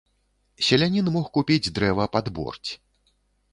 Селянін мог купіць дрэва пад борць.